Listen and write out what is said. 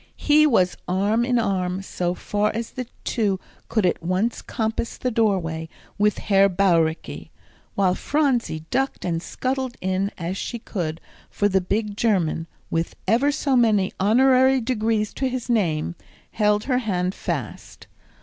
He was arm in arm, so far as the two could at once compass the doorway, with Herr Bauricke; while Phronsie ducked and scuttled in as she could, for the big German, with ever so many honorary degrees to his name, held her hand fast.